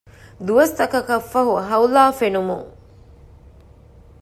ދުވަސްތަކަކަށްފަހު ހައުލާ ފެނުމުން